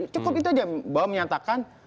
cukup itu aja bahwa menyatakan